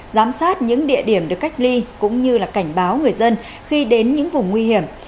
giám sát những địa điểm được cách ly cũng như cảnh báo người dân khi đến những vùng nguy hiểm